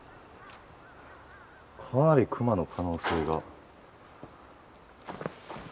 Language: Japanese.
かなりクマの可能性が。